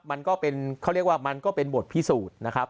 มันก็เป็นเขาเรียกว่ามันก็เป็นบทพิสูจน์นะครับ